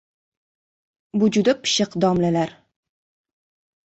Bu juda pishiq domlalar!